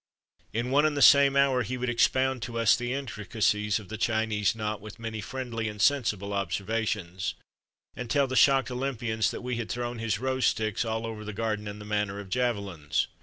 In one and the same hour he would expound to us the intricacies of the Chinese knot with many friendly and sensible observations, THE BOY IN THE GARDEN 123 and tell the shocked Olympians that we had thrown his rose sticks all over the garden in the manner of javelins.